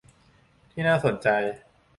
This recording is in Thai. ที่น่าสนใจ